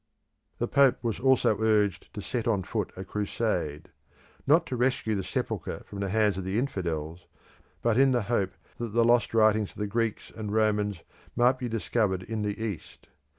The Pope was also urged to set on foot a crusade; not to rescue the sepulchre from the hands of the infidels, but in the hope that the lost writings of the Greeks and Romans might be discovered in the East.